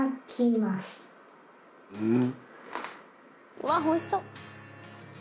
「うわっおいしそう！」